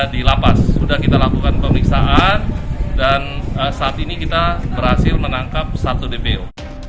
di lapas sudah kita lakukan pemeriksaan dan saat ini kita berhasil menangkap satu dpo